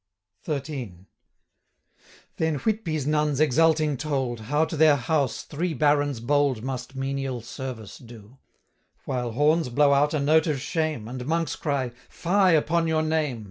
XIII. Then Whitby's nuns exulting told, How to their house three Barons bold Must menial service do; While horns blow out a note of shame, 235 And monks cry 'Fye upon your name!